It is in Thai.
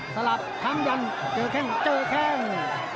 สลับทั้งยันเจอแข้งเจอแข้ง